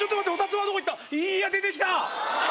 いや出てきた！